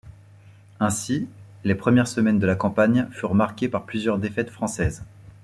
Ainsi, les premières semaines de la campagne furent marquées par plusieurs défaites françaises.